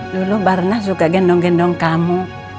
dulu barna suka gendong gendong kamu